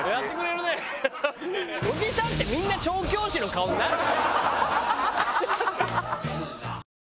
おじさんってみんな調教師の顔になるの！